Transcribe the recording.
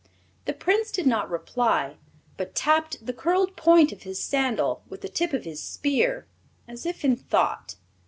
The Prince did not reply, but tapped the curled point of his sandal with the tip of his spear, as if in thought.